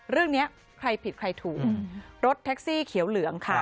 เรื่องนี้ใครผิดใครถูกรถแท็กซี่เขียวเหลืองค่ะ